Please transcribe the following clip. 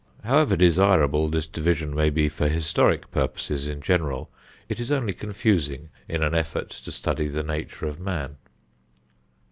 However desirable this division may be for historic purposes in general, it is only confusing in an effort to study the nature of man.